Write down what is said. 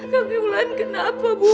kaki bulan kenapa bu